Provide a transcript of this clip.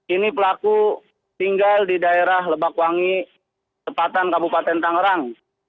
ini pelaku tinggal di daerah lebakwangi tempatan kabupaten tanggerang